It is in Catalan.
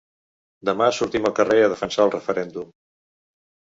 Demà sortim al carrer a defensar el referèndum.